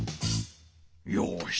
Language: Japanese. よし！